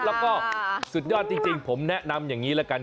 แล้วก็สุดยอดจริงผมแนะนำอย่างนี้ละกัน